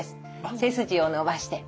背筋を伸ばして。